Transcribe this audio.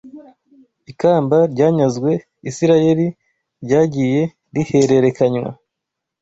Ikamba ryanyazwe Isirayeli ryagiye rihererekanywa